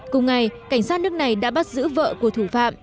cùng ngày cảnh sát nước này đã bắt giữ vợ của thủ phạm